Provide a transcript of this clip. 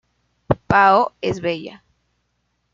Pao es bella